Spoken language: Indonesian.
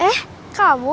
terima kasih bos